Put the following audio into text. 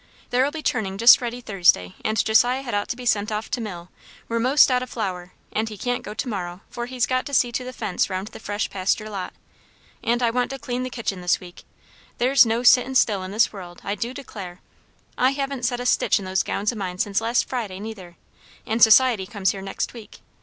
There'll be churning just ready Thursday; and Josiah had ought to be sent off to mill, we're 'most out o' flour, and he can't go to morrow, for he's got to see to the fence round the fresh pasture lot. And I want to clean the kitchen this week. There's no sittin' still in this world, I do declare! I haven't set a stitch in those gowns o' mine since last Friday, neither; and Society comes here next week.